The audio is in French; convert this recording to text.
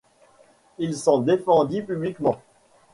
Il s'en défendit publiquement.